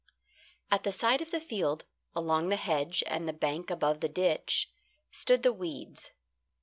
At the side of the field, along the hedge, and the bank above the ditch, stood the weeds.